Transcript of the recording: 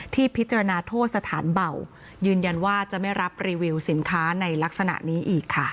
พิจารณาโทษสถานเบายืนยันว่าจะไม่รับรีวิวสินค้าในลักษณะนี้อีกค่ะ